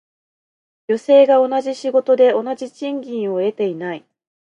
女性が同じ仕事で同じ賃金を得ていない。